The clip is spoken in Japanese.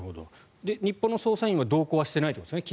日本の捜査員は機内では同行してないということですか？